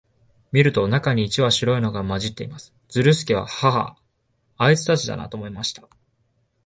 見ると、中に一羽白いのが混じっています。ズルスケは、ハハア、あいつたちだな、と思いました。